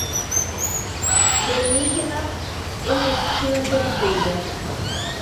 Benigna Ernestina de Oliveira